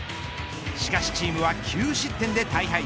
しかしチームは９失点で大敗。